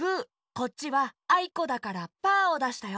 こっちは「あいこ」だからパーをだしたよ。